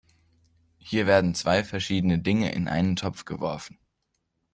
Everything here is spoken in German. Hier werden zwei verschiedene Dinge in einen Topf geworfen.